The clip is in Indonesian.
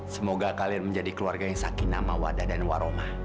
semoga kalian menjadi keluarga yang sakinama wadah dan waroma